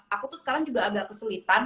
aku tuh sekarang juga agak kesulitan